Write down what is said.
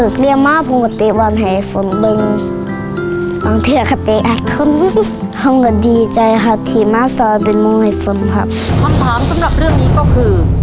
คำถามสำหรับเรื่องนี้ก็คือ